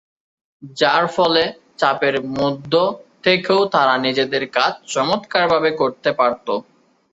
যার ফলে চাপের মধ্যে থেকেও তারা নিজেদের কাজ চমৎকারভাবে করতে পারত।